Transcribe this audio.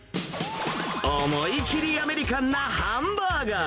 思い切りアメリカンなハンバーガー。